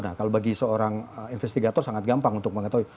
nah kalau bagi seorang investigator sangat gampang untuk mengetahui